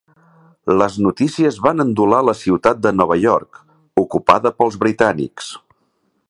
Les notícies van endolar la ciutat de Nova York, ocupada pels britànics.